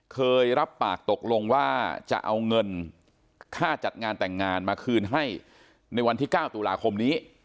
เคยรับปากตกลงว่าจะเอาเงินค่าจัดงานแต่งงานมาคืนให้ในวันที่๙ตุลาคมนี้